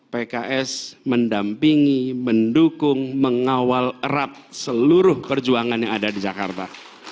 pks mendampingi mendukung mengawal erat seluruh perjuangan yang ada di jakarta